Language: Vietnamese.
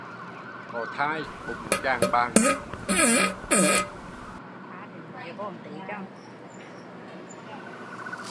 Có thai bụng chàng bàng